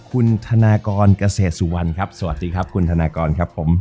คุณธนากรเกษตรสุวรรณครับสวัสดีครับคุณธนากรครับผม